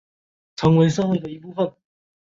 成为社会的一部分